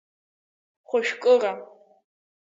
Хәажәкыра.